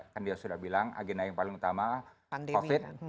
kan dia sudah bilang agenda yang paling utama covid